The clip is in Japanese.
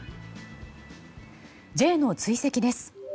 Ｊの追跡です。